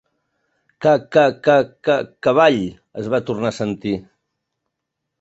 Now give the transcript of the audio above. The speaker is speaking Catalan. Ca, ca, ca, ca, cavall! —es va tornar a sentir.